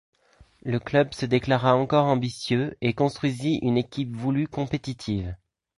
Le club se déclara encore ambitieux et construisit une équipe voulue compétitive.